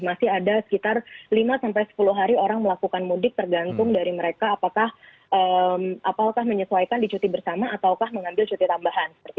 masih ada sekitar lima sampai sepuluh hari orang melakukan mudik tergantung dari mereka apakah menyesuaikan di cuti bersama ataukah mengambil cuti tambahan